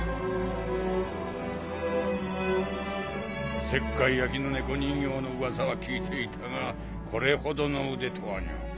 おせっかい焼きの猫人形の噂は聞いていたがこれほどの腕とはにゃ。